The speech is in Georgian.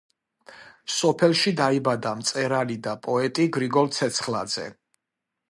სოფელში დაიბადა მწერალი და პოეტი გრიგოლ ცეცხლაძე.